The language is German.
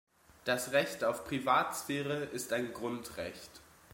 Das Recht auf Privatsphäre ist ein Grundrecht.